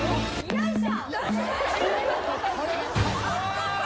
よいしょ。